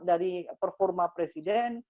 dari performa presiden